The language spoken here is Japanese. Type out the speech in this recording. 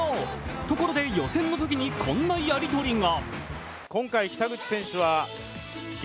ところで、予選のときにこんなやり取りが。